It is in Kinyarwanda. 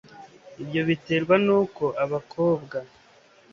ibyo biterwa n uko abakobwa